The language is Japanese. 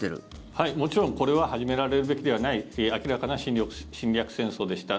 はい、もちろんこれは始められるべきではない明らかな侵略戦争でした。